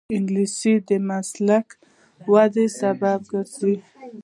انګلیسي د مسلکي وده سبب کېږي